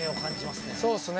そうですね。